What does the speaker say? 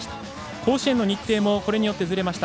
甲子園の日程もこれによってずれました。